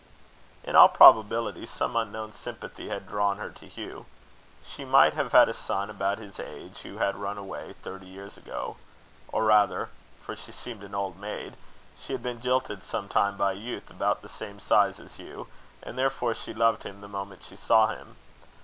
In all probability some unknown sympathy had drawn her to Hugh. She might have had a son about his age, who had run away thirty years ago. Or rather, for she seemed an old maid, she had been jilted some time by a youth about the same size as Hugh; and therefore she loved him the moment she saw him.